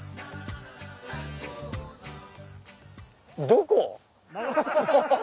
どこ？